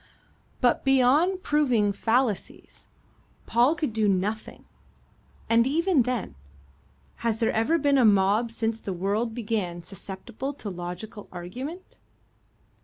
But beyond proving fallacies, Paul could do nothing and even then, has there ever been a mob since the world began susceptible to logical argument?